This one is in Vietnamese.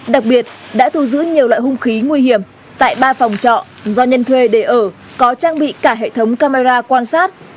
đặc biệt đã thu giữ nhiều loại hung khí nguy hiểm tại ba phòng trọ do nhân thuê để ở có trang bị cả hệ thống camera quan sát